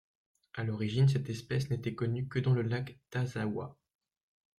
À l'origine cette espèce n'était connue que dans le lac Tazawa.